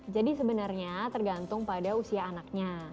jadi sebenarnya tergantung pada usia anaknya